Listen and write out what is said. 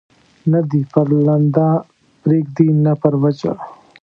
نه دي پر لنده پرېږدي، نه پر وچه.